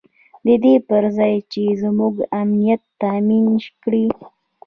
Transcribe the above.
د دې پر ځای چې زموږ امنیت تامین کړي.